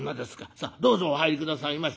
さあどうぞお入り下さいまし。